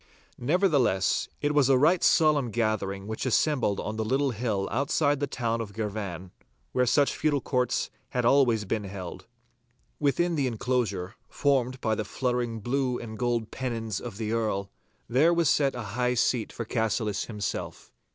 Nevertheless, it was a right solemn gathering which assembled on the little hill outside the town of Girvan, where such feudal courts had always been held. Within the enclosure, formed by the fluttering blue and gold pennons of the Earl, there was set a high seat for Cassillis himself.